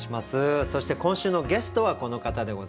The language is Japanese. そして今週のゲストはこの方でございます。